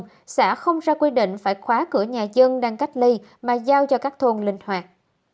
nhưng xã không ra quy định phải khóa cửa nhà dân đang cách ly mà giao cho các thôn linh hoạt